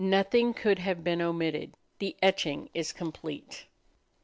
Nothing could have been omitted; the etching is complete.